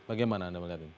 bagaimana anda mengatakan